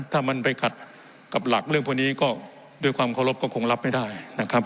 ถ้ามันไปขัดกับหลักเรื่องพวกนี้ก็ด้วยความเคารพก็คงรับไม่ได้นะครับ